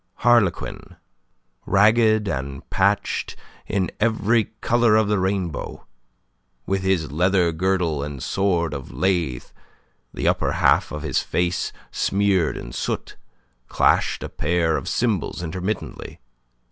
Harlequin, ragged and patched in every colour of the rainbow, with his leather girdle and sword of lath, the upper half of his face smeared in soot, clashed a pair of cymbals intermittently.